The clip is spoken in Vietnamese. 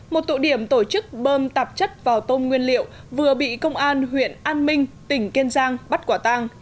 một tụ điểm tổ chức bơm tạp chất vào tôm nguyên liệu vừa bị công an huyện an minh tỉnh kiên giang bắt quả tang